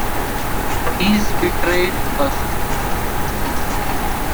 He's betrayed us.